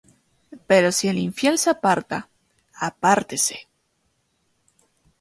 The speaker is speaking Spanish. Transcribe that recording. Pero si el infiel se aparta, apártese: